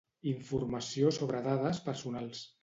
Informació sobre dades personals